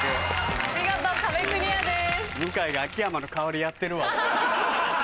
見事壁クリアです。